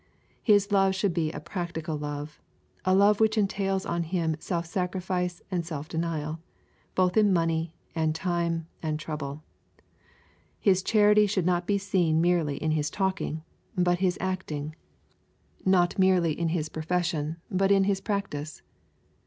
His love should be a practical love, a love which entails on him self sacrifice and self denial, both in money, and time, and trouble. His charity should be seen not merely in his talking, but his acting. y LUKE, CHAP, X. 379 —not merely in his profession, but in his practice.